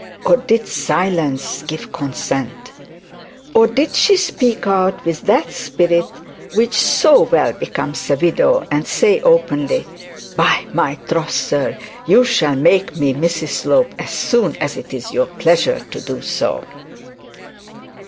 or did silence give consent: or did she speak out with that spirit which so well becomes a widow, and say openly, "By my troth, sir, you shall make me Mrs Slope as soon as it is your pleasure to do so"?'